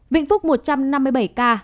vĩnh phúc một trăm năm mươi bảy ca